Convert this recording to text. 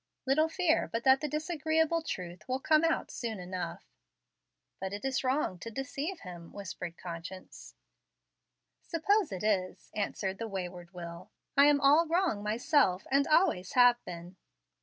Little fear but that the disagreeable truth will come out soon enough." "But it is wrong to deceive him," whispered conscience. "Suppose it is," answered the wayward will, "I am all wrong myself and always have been."